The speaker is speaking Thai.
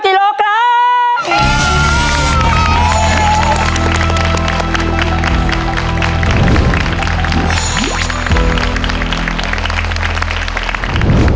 ๑หมื่น